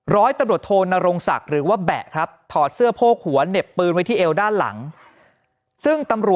ร้อยตำรวจโทนรงศักดิ์หรือว่าแบะครับถอดเสื้อโพกหัวเหน็บปืนไว้ที่เอวด้านหลังซึ่งตำรวจ